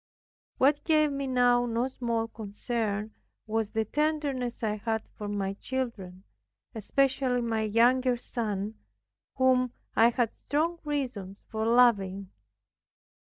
What gave me now no small concern was the tenderness I had for my children, especially my younger son, whom I had strong reasons for loving.